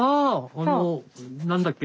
あの何だっけ？